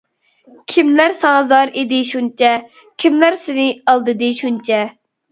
كىملەر ساڭا زار ئىدى شۇنچە، كىملەر سىنى ئالدىدى شۇنچە.